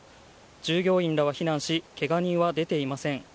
従業員らは避難しけが人は出ていません。